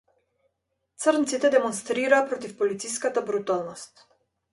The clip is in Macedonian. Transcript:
Црнците демонстрираа против полициската бруталност.